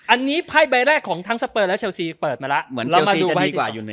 อันนี้ไพด์ใบแรกของท้านสเปอร์และเชลซีเปิดไหมล่ะ